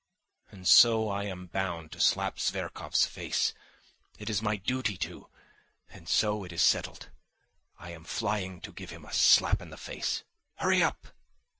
And so I am bound to slap Zverkov's face! It is my duty to. And so it is settled; I am flying to give him a slap in the face. Hurry up!"